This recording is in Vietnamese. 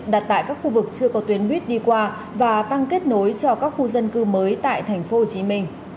đặt tại các khu vực chưa có tuyến buýt đi qua và tăng kết nối cho các khu dân cư mới tại tp hcm